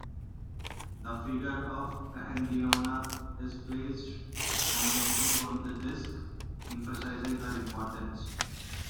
The figure of Enheduanna is placed prominently on the disc, emphasizing her importance.